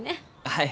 はい。